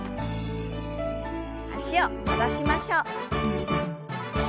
脚を戻しましょう。